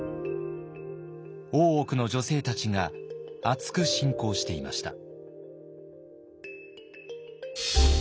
大奥の女性たちがあつく信仰していました。